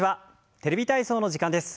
「テレビ体操」の時間です。